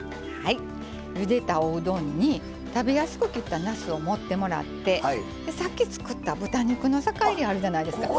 ゆでたおうどんに食べやすく切ったなすを盛ってもらってさっき作った豚肉の酒いりあるじゃないですか。